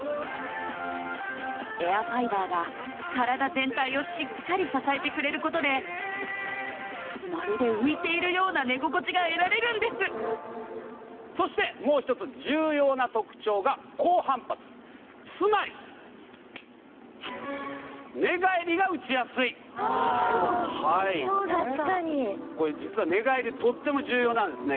エアファイバーが体全体をしっかり支えてくれることでまるで浮いているような寝心地が得られるんですそしてつまり寝返りが打ちやすいああそうだった確かにこれ実は寝返りとっても重要なんですね